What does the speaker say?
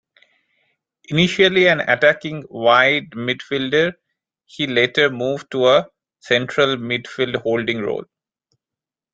Initially an attacking wide midfielder, he later moved to a central midfield holding role.